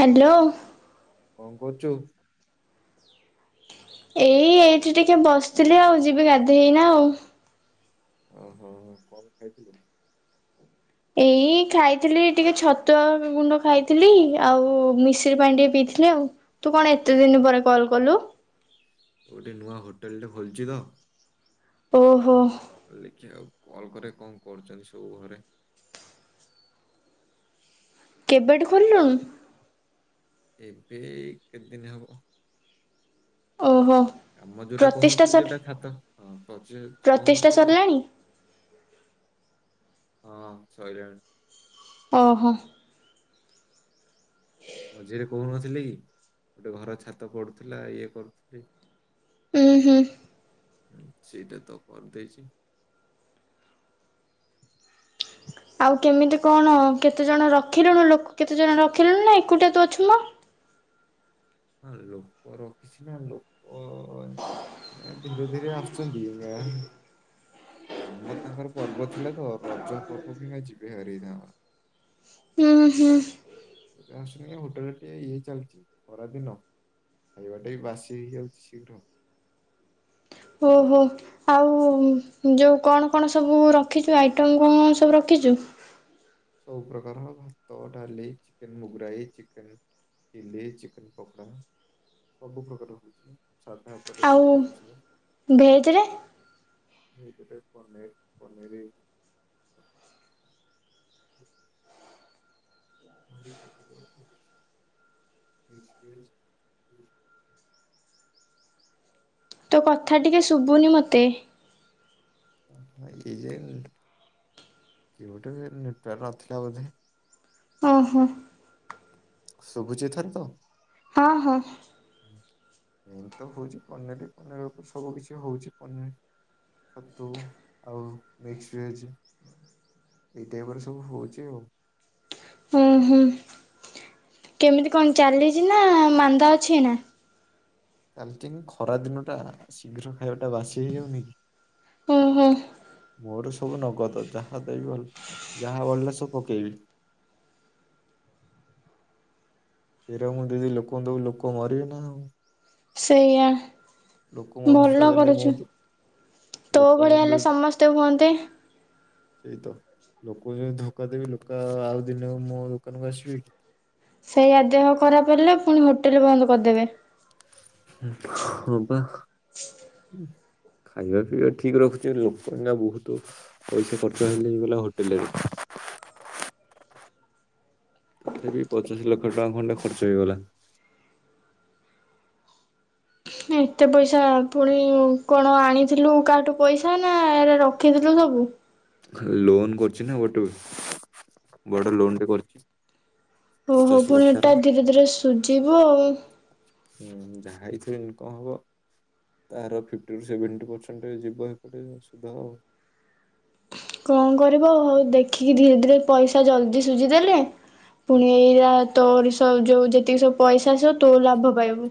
Hello. କଣ କରୁଛୁ? ଏଇ ଏଇଠି ଟିକେ ବସିଥିଲି ଆଉ, ଯିବି ଗାଧେଇ ଏଇନା ଆଉ। ଓହୋ ହ କଣ ଖାଇଥିଲୁ? ଏଇ ଖାଇଥିଲି ଟିକେ ଛତୁଆ ଗୁଣ୍ଡ, ଖାଇଥିଲି ଆଉ ମିଶ୍ରି ପାଣି ଟିକେ ପିଇଥିଲି ଆଉ। ତୁ କଣ ଏତେ ଦିନ ପରେ କଲ କଲୁ? ଗୋଟେ ନୂଆ ହୋଟେଲ୍ ଟେ ଖୋଲିଚି ତ। ଓହୋ। ଦେଖିଆ ଆଉ କଲ୍ କରେ, କଣ କରୁଚନ୍ତି ସବୁ ଘରେ? କେବେଠୁ ଖୋଲିଲୁଣ? ଏବେ ଏଇ କେତେ ଦିନ ହବ। ଓହୋ କାମ ଯୋଉଟା ପ୍ରତିଷ୍ଠା କହୁନଥିଲି ସର୍ ଯୋଉଟା ଛାତ ପଛେ ପ୍ରତିଷ୍ଠା କହୁନଥିଲି କି ସରିଲାଣି? ହଁ ସଇଲାଣି। ଓହୋ। ଥିଲେକି ଗୋଟେ ଘର ଛାତ ପଡୁଥିଲା ଇଏ କରୁଥିଲି। ଉଁ ହୁଁ। ହୁଁ ସେଇଟା ତ କର ଦେଇଚି। ଆଉ କେମିତି କଣ କେତେ ଜଣ ରଖିଲୁଣୁ? ଲୋକ କେତେ ଜଣ ରଖିଲୁଣି ନା? ଏକୁଟିଆ ତୁ ଅଛୁ ମ। ହଁ ଲୋକ ରଖିଛି ନା ଲୋକ ଏ ଧୀରେ ଧୀରେ ଆସୁଛନ୍ତି। ଏହା କାମ ତାଙ୍କର ପର୍ବ ଥିଲା ତ ରଜ ପର୍ବ କୁ ଏଇନା ଯିବେ ହେରି ତାଙ୍କର। ଉଁ, ହୁଁ। ଏ ଆସୁନି ହୋଟେଲ୍ ଟେ ଇଏ ଚାଲିଚି, ଖରା ଦିନ ଖାଇବା ଟା ବି ବାସି ହେଇଯାଉଛି ଶୀଘ୍ର। ଓହୋ ଆଉ ଯୋଉ କଣ କଣ ସବୁ ରଖିଚୁ? ଆଇଟମ୍ କଣ ସବୁ ରଖିଚୁ? ସବୁ ପ୍ର୍ରକାର ଭାତ, ଡାଲି, ଚିକେନ୍, ମୁଗରାଇ, ଚିକେନ ଚିଲ୍ଲି, ଚିକେନ ପକୋଡ଼ା ସବୁ ପ୍ରକାର ହଉଚି। ସାଧା ଉପରେ ଆଉ ବହୁତ ଜିନିଷ ଭେଜରେ ଭେଜ୍ ରେ ପନୀର୍, ପନୀରି [unintelligible] ମିକ୍ସ ଭେଜ୍ [unintelligible] ତୋ କଥା ଟିକେ ଶୁଭୁନି ମୋତେ। ଏଇ ଯେ କି ବୋଧେ ନେଟୱର୍ ନଥିଲା ବୋଧେ। ଓ ହୋ। ଶୁଭୁଛିି ଏଥର ତ। ହଁ ହଁ। ଏମତି ତ ହଉଚି ପନିର୍ ପନିର୍ ଉପରେ ସବୁ କିଛି ହଉଚି। ପନିର୍, ଛତୁ ଆଉ ମିକ୍ସ ଭେଜ୍ ଏଇ ଟାଇପ୍ ରେ ସବୁ ହଉଚି ଆଉ। ଉଁ, ହୁଁ। କେମିତି କଣ ଚାଲିଚି ନା ମାନ୍ଦା ଅଛି ଏଇନା? ଚାଲିଚି ଖରା ଦିନ ଟା ଶୀଘ୍ର ଖାଇବା ଟା ବାସି ହେଇଯାଉନି। ଉଁ, ହୁଁ। ମୋର ସବୁ ନଗଦ। ଯାହା ଦେବି ଭଲ ଯାହା ବଳିଲା ସବ ପକେଇବି ତର ମୁଁ ଜଦି ଲୋକଙ୍କୁ ଦେବି ଲୋକ ମରିବି ନା ହଉ। ସେଇଆ। ଧୋକା ଭଲ ଦେଲେ ମୋ କରୁଛୁ ଦୋ- ତୋ ଲୋକ ଆମ ଭଳିଆ ହେଲେ ଦୋ- ସମସ୍ତେ ହୁଅନ୍ତେ। ସେଇ ତ ଲୋକଙ୍କୁ ଯି ଧୋକା ଦେବି ଲୋକ ଆଉ ଦିନ ମୋ ଦୋକାନକୁ ଆସିବେ କି। ସେଇ ଆ ଦେହ ଖରାପ ହେଲେ ପୁଣି ହୋଟେଲ ବନ୍ଦ କରିଦେବେ। ହଁ ବା ଖାଇବା ପିଇବା ଠିକ ରଖୁଛି ଲୋକ ନା ବହୁତ ପଇସା ଖର୍ଚ୍ଚ ହେଲେ ହେଇଗଲା ହୋଟେଲରେ। ତଥାପି ପଚାଶ ଲକ୍ଷ ଟଙ୍କା ଖଣ୍ଡେ ଖର୍ଚ୍ଚ ହେଇଗଲା। ଏତେ ପଇସା ପୁଣି କଣ ଆଣିଥିଲୁ କାହାଠୁ ପଇସା ନା ଏ ରଖିଥିଲୁ ସବୁ। ଲୋନ କରଛି ନା ଗୋଟେ ବଡ଼ ଲୋନ ଟେ କରିଛି। ଓହୋ ପଚାଶ ପୁଣି ଲକ୍ଷର ଏଟା ଧୀରେ ଧୀରେ ସୁଝିବ ଆଉ। ଯାହା ହେଇଥିରେ ଇନକମ୍ ହବ ତାର ଫିଫ୍ଟିରୁୁ ସେଭେଣ୍ଟି ପରସେଣ୍ଟ ଯିବ ଏପଟେ ସୁଧ। କଣ କରିବ ଆଉ ଦେଖିକି ଧୀରେ ଧୀରେ ପଇସା ଜଲଦି ସୁଝିଦେଲେ ପୁଣି ଏଇା ତୋର ସବ ଯୋଉ ଯେତିକି ସବୁ ପଇସା ଆସିବ ତୋ ଲାଭ ପାଇବୁ।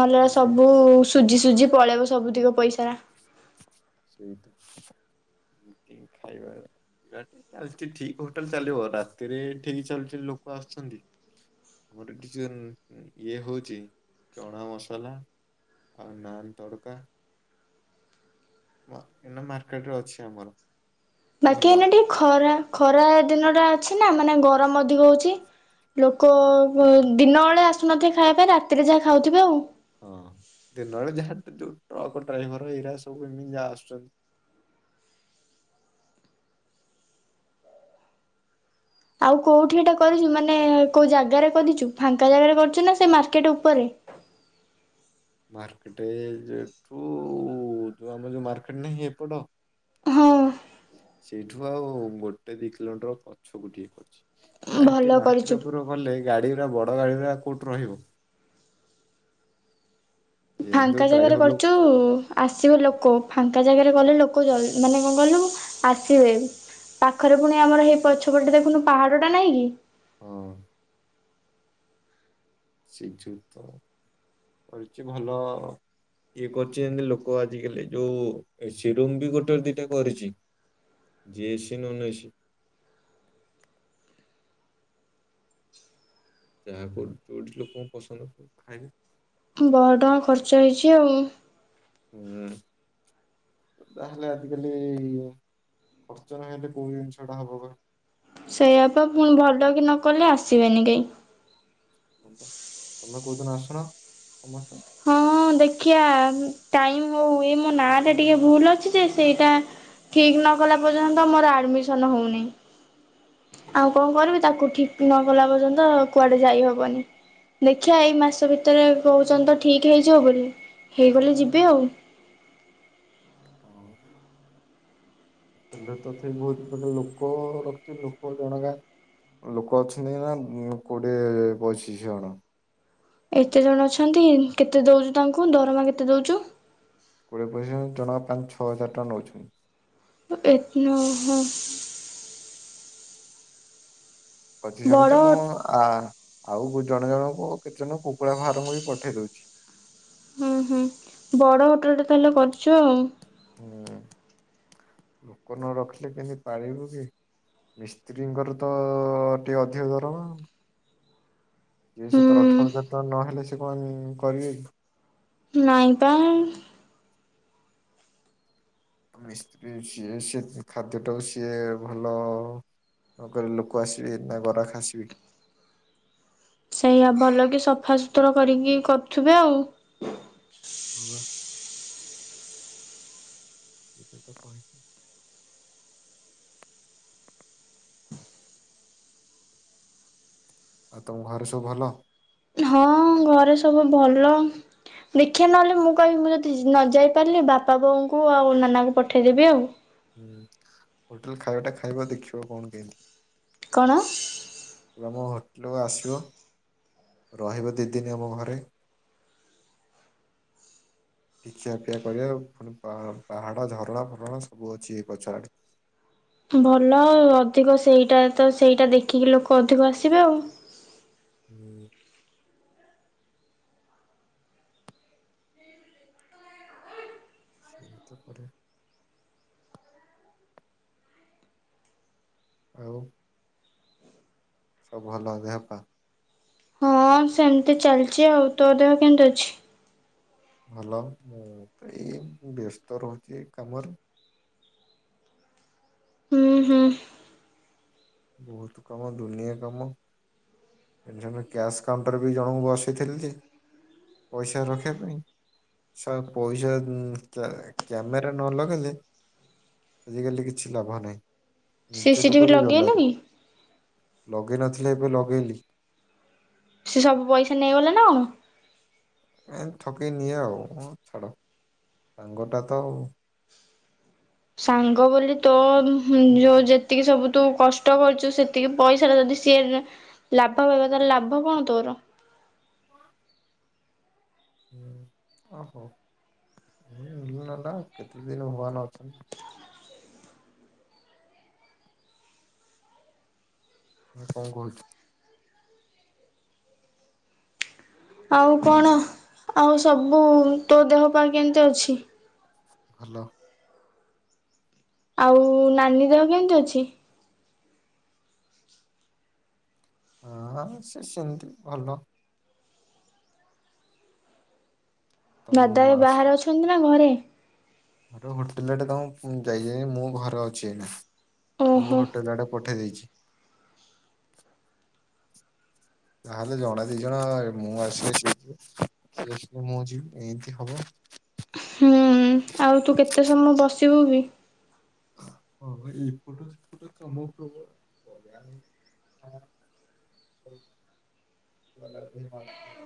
ଭଲ ଆମର ସବୁ ସୁଜିି ସୁଜି ପଳେଇବ ସବୁଧିକ ପଇସା। ସେଇ ଏଇନା ମାର୍କେଟ ରେ ଅଛି ଆମର ବାକି ଭଲ। ଏଇନା ଟିକେ ଖରା ଖରା ଦିନ ଟା ଅଛି ଅଛି ନା ମାନେ ଗରମ ଅଧିକ ହଉଛି ଲୋକ ଦିନ ବେଳେ ଆସୁନଥିଲେ ଖାଇବା ପାଇଁ ରାତିରେ ଯାହା ଖାଉଥିବେ ଆଉ। ହଁ ଦିନ ବଳେ ଯାହା ଯୋଉ ଟ୍ରକ ଡ୍ରାଇଭର ଏଇରା ସବୁ ଏମିତି ଯା ଆସୁଛନ୍ତି। ଆଉ କୋଉଠି ଏଟା କରିଛୁ ମାନେ କୋଉ ଜାଗାରେ କରିଛୁ ଫାଙ୍କା ଜାଗାରେ କରିଛୁ ନା ସେ ମାର୍କେଟ ଉପରେ ମାର୍କେଟ ଯେଠୁ ଯୋଉ ଆମର ଯୋଉ ମାର୍କେଟ ନାହିଁ ଏପଟ ହଁ। ସେଇଠୁ ଆଉ ହଉ ଗୋଟେ ଦି କିଲୋମିଟର ପଛକୁ ଟିକେ ଅଛି। ସେଠି ଭଲ କରିଛୁ। ମାର୍କେଟ ଉପରେ ଗଲେ ଗାଡି ବଡ ଗାଡିଗୁରା କୋଉଠୁ ରହିବ। ଯେହେତୁ ଫାଙ୍କା ଜାଗାରେ ଡ୍ରାଇଭର ଲୋକ କରୁଛୁ ଆସିବ ଲୋକ ଫାଙ୍କା ଜାଗାରେ ଗଲେ ଲୋକ ମାନେ କଣ କଲୁ ଆସିବେ ପାଖରେ ପୁଣି ଆମର ସେଇ ପଛପଟେ ଦେଖୁନୁ ପାହାଡ ଟା ନାଇଁ କି ହଁ। ସେଇଠୁ ତ କରିଛି ଭଲ ଇଏ କରିଛି ଲୋକ ଆଜିିକାଲି ଯୋଉ ଏସି ରୁମ ବି ଗୋଟେ ଦିଟା କରିଛି ଯିଏ ଏସି ନନ୍ ଏସି। ଯାହାକୁ ଯୋଠି ଲୋକଙ୍କୁ ପସନ୍ଦ ଆସିଲା ଖାଇଲେ। ବହୁତ ଟଙ୍କା ଖର୍ଚ୍ଚ ହେଇଛି ଆଉ। ହୁଁ ତାହେଲେ ଆଜିକାଲି ଖର୍ଚ୍ଚ ନହେଲେ କୋଉ ଜିନିଷ ଟା ହବ କହ। ସେଇଆପା ପୁଣି ଭଲ କି ନ କଲେ ଆସିବେନି କେହି। ହଁବା। ତମେ କୋଉଦିନ ଆସୁନ ସମସ୍ତେ। ହଁ ଦେଖିବା ଟାଇମ ହଉ ଏ ମୋ ନା ଟା ଟିକେ ଭୁଲ ଅଛି ଯେ ସେଇଟା ଠିକ ନ କଲା ପର୍ଯ୍ୟନ୍ତ ମୋର ଆଡମିସନ ହଉନି। ଆଉ କଣ କରିବି ତାକୁ ଠିକ ନ କଲା ପର୍ଯ୍ୟନ୍ତ କୁଆଡେ ଯାଇ ହବନି ଦେଖିବା ଏଇ ମାସ ଭିତରେ କହୁଛନ୍ତି। ଠିକ ହେଇଯିବ ବୋଲି ହେଇଗଲେ ଯିବି ଆଉ। ହଁ। ହେଲେ ତତେ ବହୁତ ପ୍ରକାର ଲୋକ ରଖିଛି ଲୋକ ଜଣ କା ଲୋକ ଅଛନ୍ତି ନା କୋଡିଏ ପଚିଶ ଜଣ। ଏତେ ଜଣ ଅଛନ୍ତି କେତେ ଦଉଛୁ ତାଙ୍କୁ ଦରମା କେତେ ଦଉଛୁ। କୋଡ଼ିଏ ପଚିଶ ଜଣକା ପାଞ୍ଚ ଛଅ ହଜାର ଟଙ୍କା ନେଉଛନ୍ତି। ଏତନ [inaudible] ବଛି [inaudible] ବଡ଼ ଶଣିୁଛି ମୁଁ ଆ। ଆଉ ଜଣେ ଜଣଙ୍କୁ କେତେ ଜଣଙ୍କୁ କୁକୁଡ଼ା ଫାର୍ମଙ୍କୁ ବି ପଠେଇ ଦଉଛି। ହୁଁ ହୁଁ ବଡ ହୋଟେଲ ଟା ତାହେଲେ କରିଛୁ ଆଉ। ହୁଁ ଲୋକ ନ ରଖିଲେ କେମିତି ପାଳିବୁ କି ମିସ୍ତ୍ରୀଙ୍କର ତ ଟିକେ ଅଧିକ ଦରମା ଆଉ। ଦଇ ସତର ଅଠର ହଜାର ହୁଁ। ଟଙ୍କା ନହେଲେ ସେ କଣ କରିବେ କି ନାଇଁ ତ ମିସ୍ତ୍ରୀ ସିଏ ସ ଖାଦ୍ୟ ଟାକୁ ସିଏ ଭଲ ନକଲେ ଲୋକ ଆସିବେ ନା ଗରାଖ ଆସିବେ କି। ସେଇଆା ଭଲକି ସଫା ସୁତୁରା କରିକି କରୁଥିବେ ଆଉ। ସେଇଟା ତ କହିଛି। ଆଉ ତମ ଘରେ ସବୁ ଭଲ। ହଁ ଘରେ ସବୁ ଭଲ ଦେଖିବା ନହେଲେ ମୁଁ କହିବି ମୁଁ ଯଦି ନ ଯାଇ ପାରିଲି ବାପା ବୋଉଙ୍କୁ ଆଉ ନନାଙ୍କୁ ପଠେଇଦେବି ଆଉ। ହଁ ହୋଟେଲ ଖାଇବା ଟା ଖାଇବ ଦେଖିବ କଣ କେମତି। କଣ। ତମ ହୋଟେଲକୁ ଆସିବ ରହିବ ଦି ଦିନ ଆମ ଘରେ ଟିକେ ଖିଆ ପିଆ କରିବା ପୁଣି ପାହାଡ ଝରଣା ଫରଣା ସବୁ ଅଛି ଏ ପଛଆଡେ। ଭଲ ଆଉ ଅଧିକ ସେଇଟା ତ ସେଇଟା ଦେଖିକି ଲୋକ ଅଧିକ ଆସିବେ ଆଉ ହୁଁ ସେଇତି ପରେ ଆଉ ସବୁ ଭଲ ଦେହପା ହଁ ଅ ସେମତି ଚାଲିଛି ଆଉ ତୋ ଦେହ କେମତି ଅଛି? ଭଲ ହୁଁ ଏଇ ବ୍ୟସ୍ତ ରହୁଛି ଏ କାମରେ ହୁଁ ହୁଁ ବହୁତ କାମ ଦୁନିଆ କାମ ଯେବେ କ୍ୟାସ୍ କାଉଣ୍ଟର ବି ଜଣଙ୍କୁ ବସେଇଥିଲି ଯେ ପଇସା ରଖିବା ପାଇଁ ଶଳା ପଇସା କ୍ୟାମେରା ନ ଲଗେଇଲେ ଆଜିକାଲି କିଛି ଲାଭ ନାହିଁ। ସିସିଟିଭି ଲଗେଇନୁ କି? ଲଗେଇନଥିଲି ଏବେ ଲଗେଇଲି ସେ ସବୁ ପଇସା ନେଇଗଲେ ନା ଆଉ ଏମତ ଠକେଇ ନିଏ ଆଉ ଛାଡ଼ ସାଙ୍ଗଟା ତ ଆଉ ସାଙ୍ଗ ବୋଲି ତୋ ହୁଁ ଯୋଉ ଯେତିକି ସବୁ ତୁ କଷ୍ଟ କରୁଛୁ ସେତିକି ପଇସାରେ ଯଦି ସିଏ ଲାଭ ପାଇବ ତାହଲେ ଲାଭ କଣ ତୋର? ହୁଁ ଓ ହଉ ନେଲେ ନେଲା କେତେ ଦିନ ଭଗବାନ ଅଛନ୍ତି। କଁ କହୁଛୁ ଆଉ କଣ ଆଉ ସବୁ ତୋ ଦେହ ପା କେମତି ଅଛି? ଭଲ ଆଉ ନାନୀ ଦେହ କେମିତି ଅଛି? ହଁ ସେ ସେମିତି ଭଲ ଦାଦା ତମ ଏ ଆସ ବାହାରେ ଅଛନ୍ତି ନା ନା ଘରେ? ମୋର ହୋଟେଲରେ ଟେ ତମ ଯାଇ ଯାଇ ମୁଁ ଘରେ ଅଛି ଏଇନେ ଓହୋ ତମକୁ ହୋଟେଲ ଆଡେ ପଠେଇ ଦେଇଛି ତାହେଲେ ଜଣେ ଦି ଜଣ ମୁଁ ଆସିଲେ ସେ ଯିବେ ସେ ଆସିଲେ ମୁଁ ଯିବି ଏମିତି ହବ। ହୁଁ ଆଉ ତୁ କେତେ ସମୟ ବସି [unintelligible] ହଁ ଏଇପଟ ସେପଟ ତମ ଉପରେ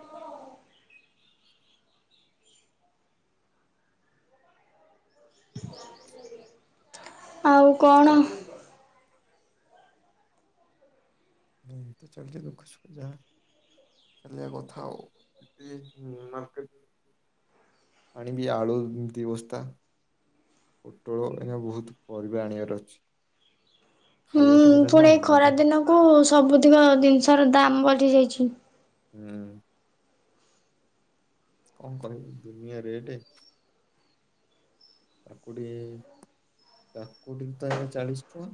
[unintelligible] [inaudible] ଆଉ କଣ? ଏମତି ଚାଲିଛି ଦୁଃଖ ସୁଖ ଯାହା ଚାଲିବା କଥା ଆଉ [unintelligible] ମାର୍କେଟରୁ ଆଣିିବି ଆଳୁ ଦି ବସ୍ତା ପୋଟଳ ଏଇନା ବହୁତ ପରିବା ଆଣିବାର ଅଛି। ମୁଁ ଖାଇବା ଟାଇମ୍ ଟା ନା ଫୁଣି ଏଇ ଖରା ମଧ୍ୟାହ୍ନ ଦିନକୁ ସ୍ ସବୁତିକ ଜିନିଷ ର ଦାମ ବଢି ଯାଇଛି। ହୁଁ କଣ କହିବି ଦୁନିଆ ରେଟ୍ କାକୁଡି କାକୁଡି ତ ହେଲା ଚାଳିଶ ଟଙ୍କା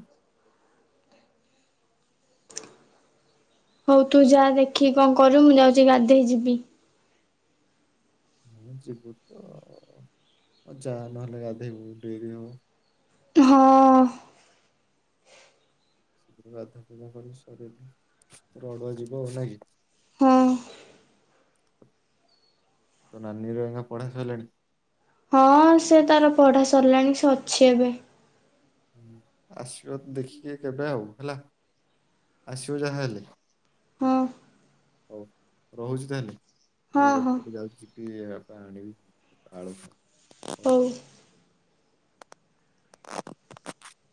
ହଉ ତୁ ଯା ଦେଖିକି କଣ କରିବୁ ମୁଁ ଯାଉଛି ଗାଧେଇ ଯିବି। ହଁ ଯିବୁ ତ ଯା ନହେଲେ ଗାଧେଇବୁ ଡେରି ହବ। ହଁ ଶୀଘ୍ର ଗାଧୁଆ ଫାଧୁଆ କରି ଶରୀରକୁ ପୁରା ଅଡ଼ୁଆ ଯିବ ଆଉ ନାଇ କି? ହଁ। ତୋ ନାନୀ ର ଏଇନା ପଢାସଇଲାଣି? ହଁ ସେ ତାର ପଢା ସରିଲାଣି ସେ ଅଛି ଏବେ ହୁଁ ଆସିବ ଦେଖିକି କେବେ ଆଉ ହେଲା ଆସିବ ଯାହାହେଲେ ହଁ ହଉ ରହୁଛି ତାହେଲେ ହଁ ଏଇ ରୁଟ୍ ହଁ ପଟେ ଯାଉଚି ଏ ପାଣିବି ଆଳୁ [unintelligible] ହଉ। [inaudible]